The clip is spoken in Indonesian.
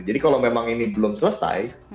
jadi kalau memang ini belum selesai